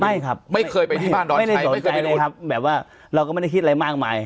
ไม่ครับไม่เคยไปที่บ้านดอนชัยไม่เคยไปครับแบบว่าเราก็ไม่ได้คิดอะไรมากมาย